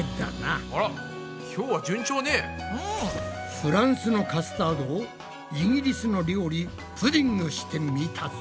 フランスのカスタードをイギリスの料理プディングしてみたぞ！